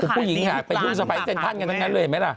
ผู้หญิงหาไปลูกสะพ้ายเต็มท่านกันทั้งนั้นเลยเห็นไหมล่ะ